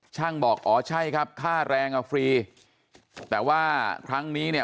บอกอ๋อใช่ครับค่าแรงอ่ะฟรีแต่ว่าครั้งนี้เนี่ย